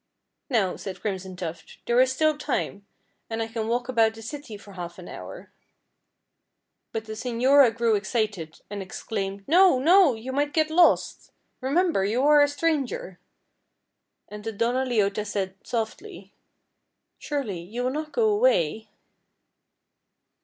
"Now," said Crimson Tuft, "there is still time, and I can walk about the city for half an hour." But the señora grew excited, and exclaimed, "No! no! you might get lost; remember, you are a stranger." And the Donna Leota said, softly, "Surely, you will not go away!"